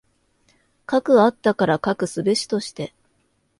斯くあったから斯くすべしとして。